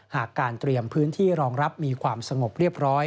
หากการเตรียมพื้นที่รองรับมีความสงบเรียบร้อย